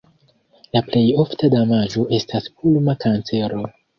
La plej ofta damaĝo estas pulma kancero.